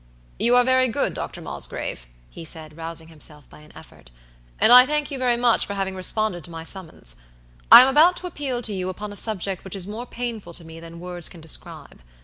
"You are very good, Dr. Mosgrave," he said, rousing himself by an effort, "and I thank you very much for having responded to my summons. I am about to appeal to you upon a subject which is more painful to me than words can describe.